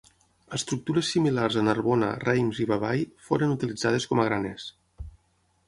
Estructures similars a Narbona, Reims i Bavay foren utilitzades com a graners.